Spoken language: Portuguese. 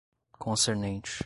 concernente